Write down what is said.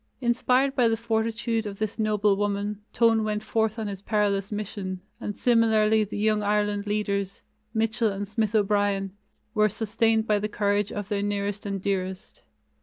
Inspired by the fortitude of this noble woman, Tone went forth on his perilous mission, and similarly the Young Ireland leaders, Mitchel and Smith O'Brien, were sustained by the courage of their nearest and dearest.